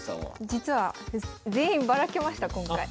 実は全員ばらけました今回。